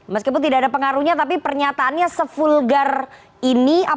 meskipun tidak ada pengaruhnya tapi pernyataannya sefulgar ini